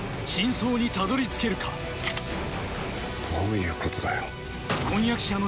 「どういうことだよ」